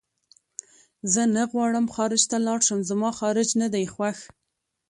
زه نه غواړم خارج ته لاړ شم زما خارج نه دی خوښ